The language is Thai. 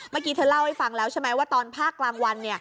เมื่อกี้เธอเล่าให้ฟังแล้วใช่ไหมว่าตอนภาคกลางวัน